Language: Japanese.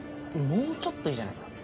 もうちょっといいじゃないすか。